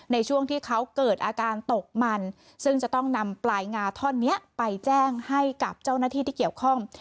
ในช่วงที่เขาเกิดอาการตกมันซึ่งจะต้องนำปลายงาท่อนนี้ไปแจ้งให้กับเจ้าหน้าที่ที่เกี่ยวข้อง